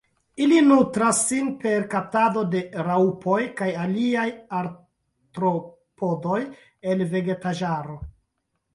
Ili nutras sin per kaptado de raŭpoj kaj aliaj artropodoj el vegetaĵaro.